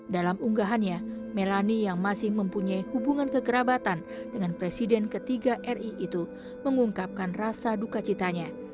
dalam unggahannya melani yang masih mempunyai hubungan kekerabatan dengan presiden ketiga ri itu mengungkapkan rasa duka citanya